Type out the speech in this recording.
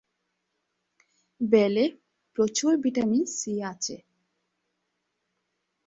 বেলে প্রচুর vitamin C আছে।